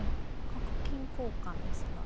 角金交換ですが。